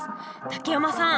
竹山さん。